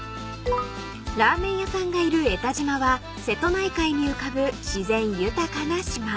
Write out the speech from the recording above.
［ラーメン屋さんがいる江田島は瀬戸内海に浮かぶ自然豊かな島］